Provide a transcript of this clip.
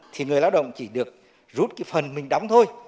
thì người lao động chỉ được rút cái phần mình đóng thôi